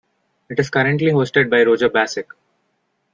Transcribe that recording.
It is currently hosted by Roger Basick.